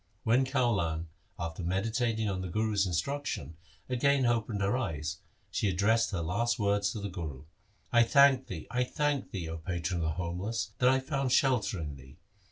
When Kaulan, after meditating on the Guru's instruction, again opened her eyes, she addressed her last words to the Guru, ' I thank thee ! I thank thee ! 0 patron of the homeless, that I found shelter in thee.